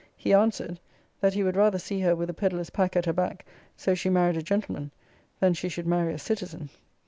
he answered, that he would rather see her with a pedlar's pack at her back, so she married a gentleman, than she should marry a citizen.